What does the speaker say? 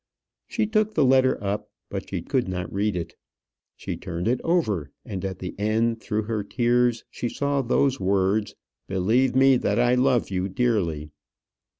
She took the letter up, but she could not read it. She turned it over, and at the end, through her tears, she saw those words "Believe me, that I love you dearly."